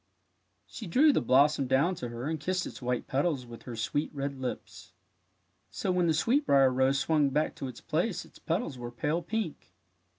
" She drew the blossom down to her and kissed its white petals with her sweet red lips. So when the sweetbrier rose swung back to its place its petals were pale pink.